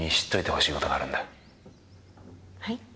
はい？